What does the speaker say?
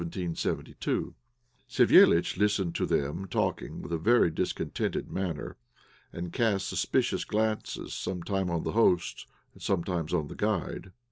Savéliitch listened to them talking with a very discontented manner, and cast suspicious glances, sometimes on the host and sometimes on the guide.